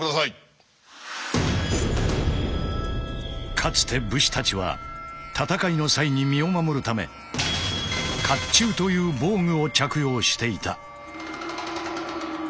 かつて武士たちは戦いの際に身を守るため甲冑という防具を着用していた。